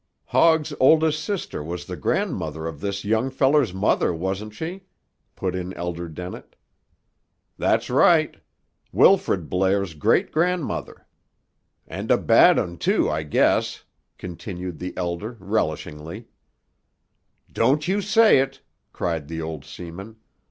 "Hogg's oldest sister was the grandmother of this young feller's mother, wasn't she?" put in Elder Dennett. "That's right. Wilfrid Blair's great grandmother." "And a bad 'un, too, I guess," continued the Elder relishingly. "Don't you say it!" cried the old seaman.